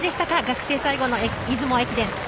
学生最後の出雲駅伝。